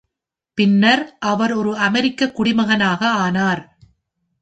பின்னர் அவர் ஒரு அமெரிக்க குடிமகனாக ஆனார்.